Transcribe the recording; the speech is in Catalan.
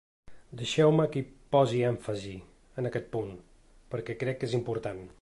Deixeu-me que hi posi èmfasi, en aquest punt, perquè crec que és important.